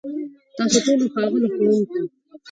ستاسو ټولو، ښاغليو ښوونکو،